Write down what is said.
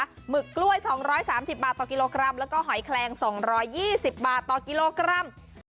หมึกกล้วย๒๓๐บาทต่อกิโลกรัมแล้วก็หอยแคลง๒๒๐บาทต่อกิโลกรัม